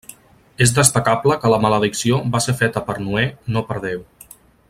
És destacable que la maledicció va ser feta per Noè, no per Déu.